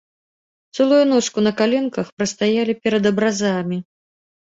Цэлую ночку на каленках прастаялі перад абразамі.